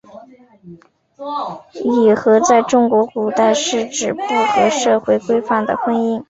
野合在中国古代是指不合社会规范的婚姻。